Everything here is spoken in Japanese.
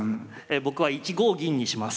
僕は１五銀にします。